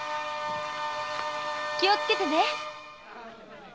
気をつけてね。